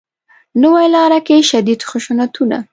نوې لاره کې شدید خشونتونه